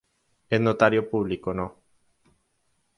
Es Notario Público No.